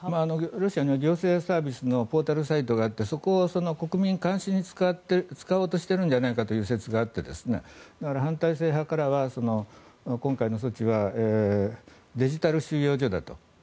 ロシアに行政サービスのポータルサイトがあってそこを国民の監視に使おうとしているんじゃないかという説があって反体制派からは、今回の措置はデジタル収容所だと。